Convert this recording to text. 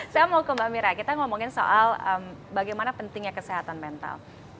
saya mau ke mbak mira kita ngomongin soal bagaimana pentingnya kesehatan mental